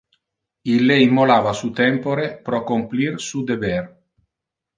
Ille immolava su tempore pro complir su deber.